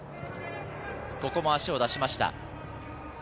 ここも足を出しました。